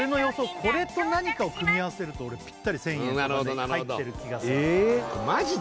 これと何かを組み合わせるとぴったり１０００円とかに入ってる気がするマジで？